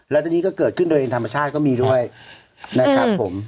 แล้วทีนี้ก็เกิดขึ้นโดยเป็นธรรมชาติก็มีด้วยนะครับผม